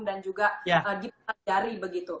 dan juga dipelajari